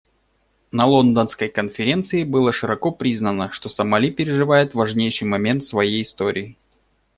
На Лондонской конференции было широко признано, что Сомали переживает важнейший момент в своей истории.